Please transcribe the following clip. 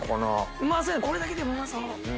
うまそうやこれだけでもうまそう！